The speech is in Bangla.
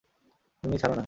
মিমি ছাড়ো না।